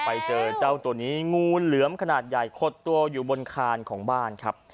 ไปเจอเจ้าตัวนี้งูเหลือมขนาดใหญ่ขดตัวอยู่บนคานของบ้านครับ